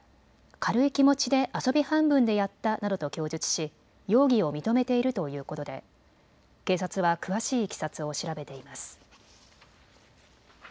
軽い気持ちで遊び半分でやったなどと供述し容疑を認めているということで警察は詳しいいきさつを調べています。